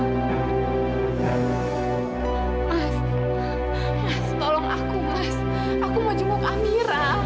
mas mas tolong aku mas aku mau jumpa amirah